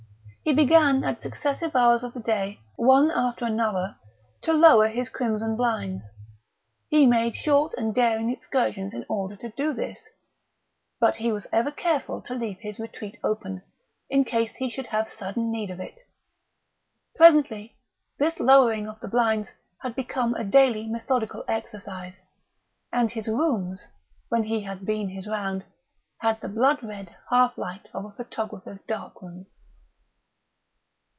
He began, at successive hours of the day, one after another, to lower his crimson blinds. He made short and daring excursions in order to do this; but he was ever careful to leave his retreat open, in case he should have sudden need of it. Presently this lowering of the blinds had become a daily methodical exercise, and his rooms, when he had been his round, had the blood red half light of a photographer's darkroom.